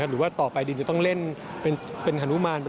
หรือว่าต่อไปดินจะต้องเล่นเป็นฮานุมาน